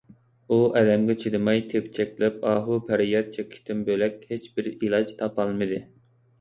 ئۇ ئەلەمگە چىدىماي تېپچەكلەپ ئاھۇپەرياد چېكىشتىن بۆلەك ھېچبىر ئىلاج تاپالمىدى.